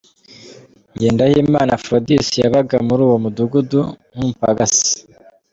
Ngendahimana Aphrodis yabaga muri uwo mudugudu nk’umupagasi.